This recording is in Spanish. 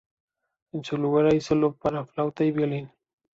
En su lugar hay solos para flauta y violín.